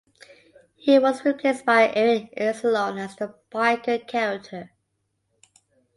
He was replaced by Eric Anzalone as the biker character.